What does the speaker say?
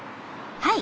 はい。